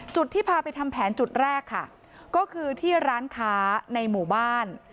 ที่พาไปทำแผนจุดแรกค่ะก็คือที่ร้านค้าในหมู่บ้าน